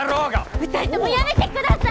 ２人ともやめてください！